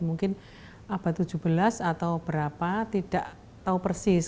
mungkin abad tujuh belas atau berapa tidak tahu persis